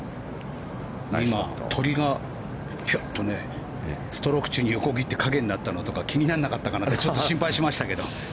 今、鳥がピュッとストローク中に横切って影になったのとか気にならなかったのかなって心配しましたけど。